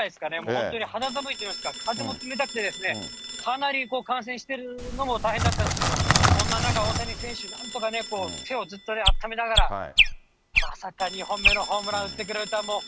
本当に肌寒いといいますか、風も冷たくて、かなり観戦してるのも大変だったんですけれども、そんな中、大谷選手、なんとか手をずっとあっためながら、まさか２本目のホームランを打ってくれるとは、もう。